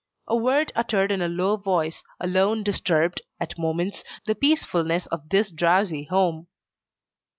A word uttered in a low voice, alone disturbed, at moments, the peacefulness of this drowsy home.